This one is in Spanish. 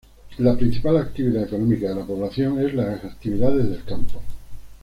La principal actividad económica de la población es las actividades del campo.